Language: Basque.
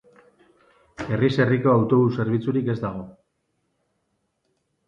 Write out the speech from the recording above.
Herriz-herriko autobus zerbitzurik ez dago.